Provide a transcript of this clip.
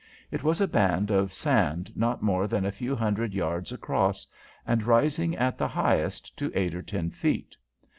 It was a band of sand not more than a few hundred yards across, and rising at the highest to eight or ten feet.